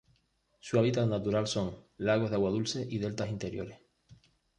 Su hábitat natural son: lagos de agua dulce y deltas interiores.